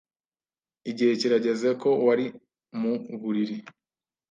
Igihe kirageze ko wari mu buriri.